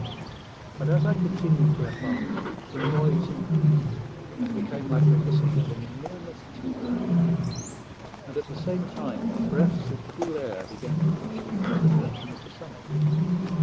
But as I continued to advance, the noise increased, and became like the hissing of an enormous tea urn, and at the same time breaths of cool air began to reach me from the direction of the summit.